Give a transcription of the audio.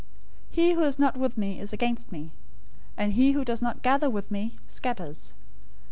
012:030 "He who is not with me is against me, and he who doesn't gather with me, scatters.